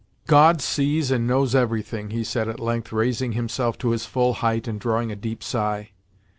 "God sees and knows everything," he said at length, raising himself to his full height and drawing a deep sigh.